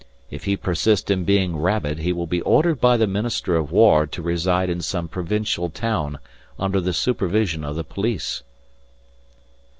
If he persist in being rabid he will be ordered by the Minster of War to reside in some provincial town under the supervision of the police."